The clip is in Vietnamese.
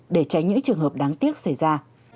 để tránh những trường hợp đáng tiếc xảy ra